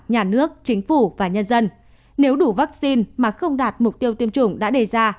nhà nước chính phủ và nhân dân nếu đủ vaccine mà không đạt mục tiêu tiêm chủng đã đề ra